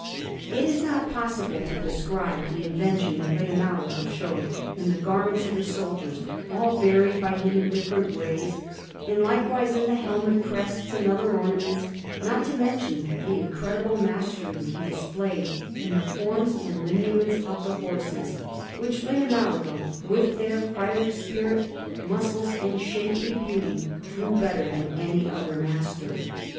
It is not possible to describe the invention that Leonardo showed in the garments of the soldiers, all varied by him in different ways, and likewise in the helmet crests and other ornaments; not to mention the incredible mastery that he displayed in the forms and lineaments of the horses, which Leonardo, with their fiery spirit, muscles, and shapely beauty, drew better than any other master.